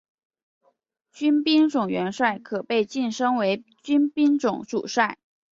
军兵种元帅可被晋升为军兵种主帅。